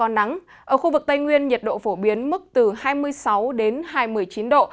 ở khu vực tây nguyên nhiệt độ phổ biến mức từ hai mươi sáu hai mươi chín độ